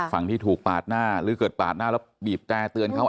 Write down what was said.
ฝั่งที่ถูกปาดหน้าหรือเกิดปาดหน้าแล้วบีบแต่เตือนเขา